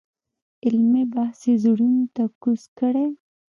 علمي بحث یې زړونو ته کوز کړی.